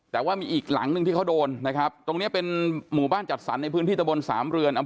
แต่ว่ามีอีกหลังหนึ่งที่เขาโดนนะครับตรงเนี้ยเป็นหมู่บ้านจัดสรรในพื้นที่ตะบนสามเรือน